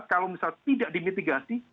kalau misalnya tidak dimitigasi